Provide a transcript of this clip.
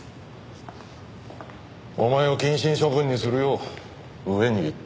お前を謹慎処分にするよう上に言っとく。